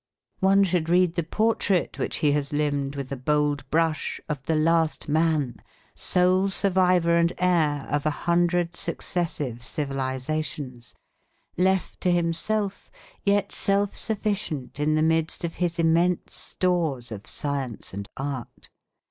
One should read the portrait which he has limned with a bold brush of the last man, sole survivor and heir of a hundred successive civilisations, left to himself yet self sufficient in the midst of his immense stores of science and art.